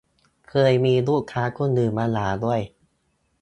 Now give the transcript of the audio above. เคยมีลูกค้าคนอื่นมาด่าด้วย